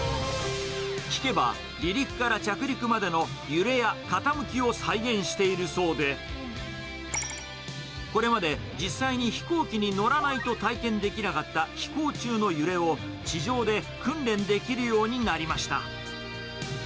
聞けば、離陸から着陸までの揺れや傾きを再現しているそうで、これまで実際に飛行機に乗らないと体験できなかった飛行中の揺れを、地上で訓練できるようになりました。